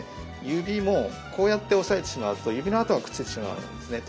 指もこうやって押さえてしまうと指の跡がくっついてしまうんですね。